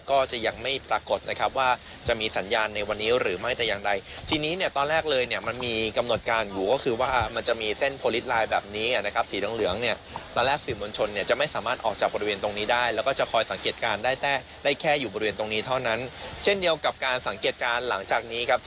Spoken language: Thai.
ก็จะยังไม่ปรากฏนะครับว่าจะมีสัญญาณในวันนี้หรือไม่แต่อย่างใดทีนี้เนี่ยตอนแรกเลยเนี่ยมันมีกำหนดการอยู่ก็คือว่ามันจะมีเส้นโพลิสลายแบบนี้นะครับสีเหลืองเหลืองเนี่ยตอนแรกสื่อมวลชนเนี่ยจะไม่สามารถออกจากบริเวณตรงนี้ได้แล้วก็จะคอยสังเกตการณ์ได้แต่ได้แค่อยู่บริเวณตรงนี้เท่านั้นเช่นเดียวกับการสังเกตการณ์หลังจากนี้ครับ